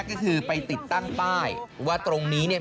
ก็คือไปติดตั้งป้ายว่าตรงนี้เนี่ย